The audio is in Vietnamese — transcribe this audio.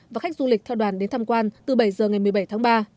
và khách du lịch theo đoàn đến tham quan từ bảy giờ ngày một mươi bảy tháng ba